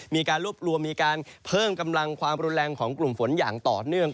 มีการรวบรวมมีการเพิ่มกำลังความรุนแรงของกลุ่มฝนอย่างต่อเนื่อง